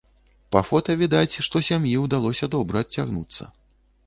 Па фота відаць, што сям'і ўдалося добра адцягнуцца.